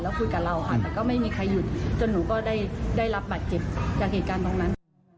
แล้วคุยกับเราค่ะแต่ก็ไม่มีใครหยุดจนหนูก็ได้รับบาดเจ็บจากเหตุการณ์ตรงนั้น